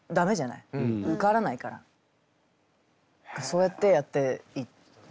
何かそうやってやっていった。